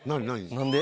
何で？